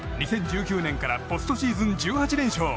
２０１９年からポストシーズン１８連勝